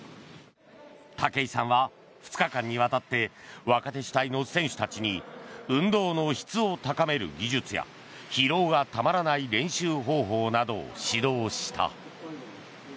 武井さんは、２日間にわたって若手主体の選手たちに運動の質を高める技術や疲労がたまらない練習方法などを指導した。